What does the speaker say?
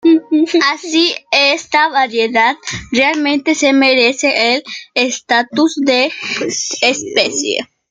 Así, esta variedad realmente se merece el estatus de especie.